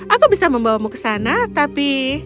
aku bisa membawamu ke sana tapi